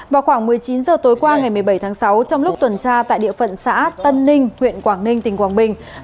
vào khoảng một mươi chín h tối qua ngày một mươi bảy tháng sáu trong lúc tuần tra tại địa phận xã tân ninh huyện quảng ninh tỉnh quảng bình